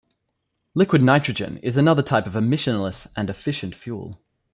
Liquid nitrogen is another type of emissionless and efficient fuel.